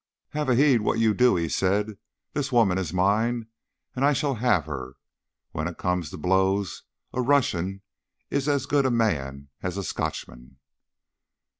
"Have a heed what you do," he said. "The woman is mine, and I shall have her. When it comes to blows, a Russian is as good a man as a Scotchman."